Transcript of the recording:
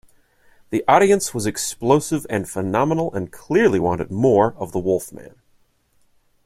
The audience was explosive and phenomenal and clearly wanted more of the Wolfman.